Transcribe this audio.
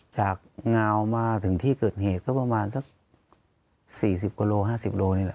จากงาวมาถึงที่เกิดเหตุก็ประมาณสัก๔๐กว่าโล๕๐โลนี่แหละ